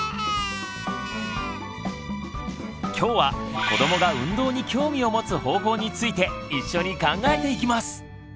今日は子どもが運動に興味を持つ方法について一緒に考えていきます。